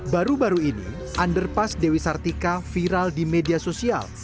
baru baru ini underpass dewi sartika viral di media sosial